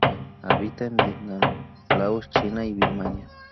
Habita en Vietnam, Laos, China y Birmania.